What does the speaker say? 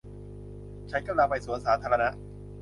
ฉันกำลังไปสวนสาธารณะ